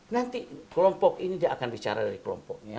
nanti kelompok ini dia akan bicara dari kelompoknya